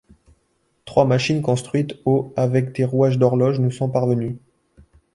Trois machines construites au avec des rouages d'horloges nous sont parvenues.